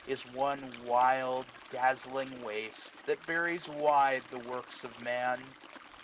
Is one wild dazzling waste, that buries wide The works of Man.